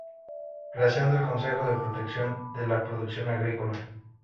Creación del Consejo de Protección de la Producción Agrícola.